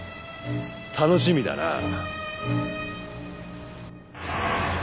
楽しみだな。